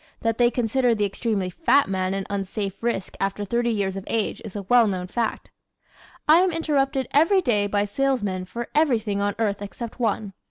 That they consider the extremely fat man an unsafe risk after thirty years of age is a well known fact. "I am interrupted every day by salesmen for everything on earth except one.